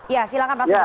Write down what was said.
ya silahkan pak sugeng